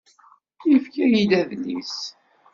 Ifka-yi-d adlis.